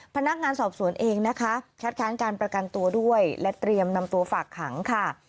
พนักงานสอบสวนเองนะคะคัดค้านการประกันตัวด้วยและเตรียมนำตัวฝากขังค่ะ